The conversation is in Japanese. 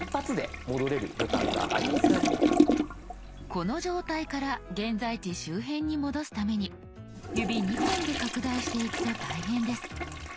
この状態から現在地周辺に戻すために指２本で拡大していくと大変です。